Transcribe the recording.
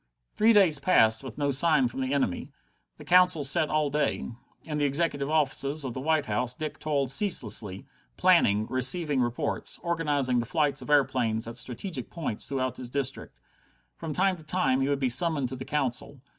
Three days passed with no sign from the enemy. The Council sat all day. In the executive offices of the White House Dick toiled ceaselessly, planning, receiving reports, organizing the flights of airplanes at strategic points throughout his district. From time to time he would be summoned to the Council.